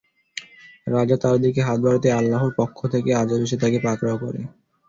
রাজা তার দিকে হাত বাড়াতেই আল্লাহর পক্ষ থেকে এক আযাব এসে তাকে পাকড়াও করে।